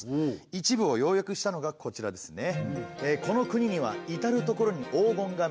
一部を要約したのがこちらですね。